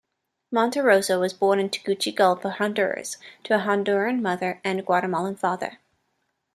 Monterroso was born in Tegucigalpa, Honduras to a Honduran mother and Guatemalan father.